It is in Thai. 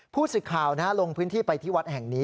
พูดสิทธิ์ข่าวนะฮะลงพื้นที่ไปที่วัดแห่งนี้